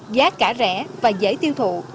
giá cả rẻ và dễ tiêu thụ